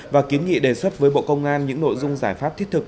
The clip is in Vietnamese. và kiến nghị đề xuất với bộ công an những nội dung giải pháp thiết thực